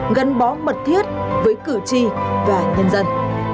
gắn bó mật thiết với cử tri và nhân dân